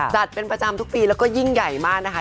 จัดเป็นประจำทุกปีแล้วก็ยิ่งใหญ่มากนะคะ